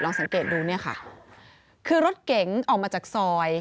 สังเกตดูเนี่ยค่ะคือรถเก๋งออกมาจากซอย